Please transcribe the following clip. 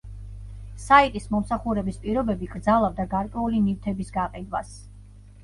საიტის მომსახურების პირობები კრძალავდა გარკვეული ნივთების გაყიდვას.